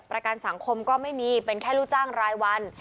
ประกันสังคมก็ไม่มีเป็นแค่ลูกจ้างรายวัน